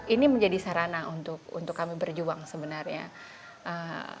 ini menjadi sarana untuk kami berjuang sebenarnya